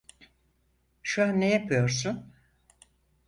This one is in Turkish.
Şu an ne yapıyorsun?